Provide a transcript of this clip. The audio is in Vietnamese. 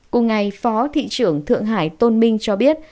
cùng ngày phó thị trưởng thượng hải tôn minh cho biết